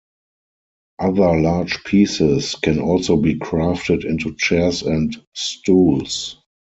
Other large pieces can also be crafted into chairs and stools.